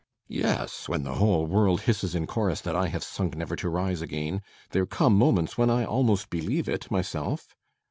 ] Yes, when the whole world hisses in chorus that I have sunk never to rise again, there come moments when I almost believe it myself.